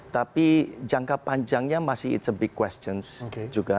tapi jangka panjangnya masih it's a big question juga